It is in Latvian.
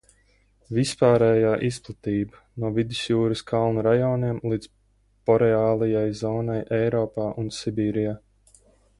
Vispārējā izplatība: no Vidusjūras kalnu rajoniem līdz boreālajai zonai Eiropā un Sibīrijā.